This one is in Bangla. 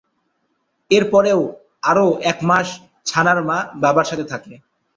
এরপরেও আরও একমাস ছানারা মা-বাবার সাথে থাকে।